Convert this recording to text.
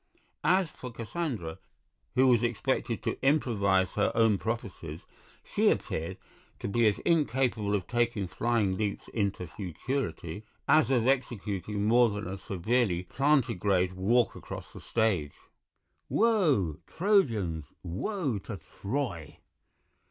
As for Cassandra, who was expected to improvise her own prophecies, she appeared to be as incapable of taking flying leaps into futurity as of executing more than a severely plantigrade walk across the stage. "Woe! Trojans, woe to Troy!"